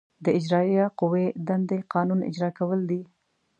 د اجرائیه قوې دندې قانون اجرا کول دي.